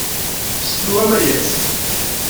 Isem-iw Amayes.